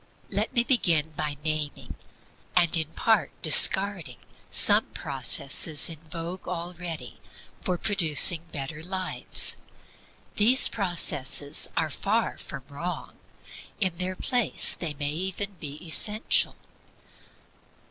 Let me begin by naming, and in part discarding, some processes in vogue already for producing better lives. These processes are far from wrong; in their place they may even be essential.